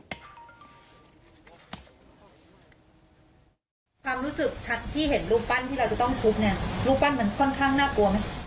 ความรู้สึกทันที่เห็นรูปปั้นที่เราจะต้องทุบเนี่ยรูปปั้นมันค่อนข้างน่ากลัวไหม